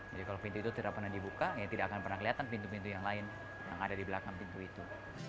jadi kalau pintu itu tidak pernah dibuka ya tidak akan pernah keliatan pintu pintu yang lain yang ada di belakang pintu itu